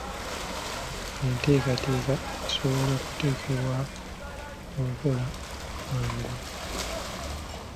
Enteekateeka esobola okuteekebwa mu nkola mangu.